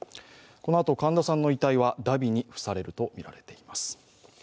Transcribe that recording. このあと神田さんの遺体はだびに付されるとみられています。